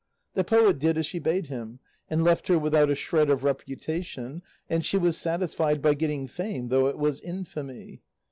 The poet did as she bade him, and left her without a shred of reputation, and she was satisfied by getting fame though it was infamy.